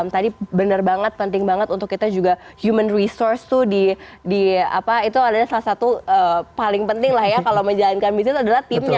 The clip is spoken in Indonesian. tadi bener banget penting banget untuk kita juga human resource tuh di apa itu adalah salah satu paling penting lah ya kalau menjalankan bisnis adalah timnya